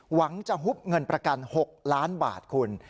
หวังจะฮุบเงินประกัน๖ล้านบาทคุณ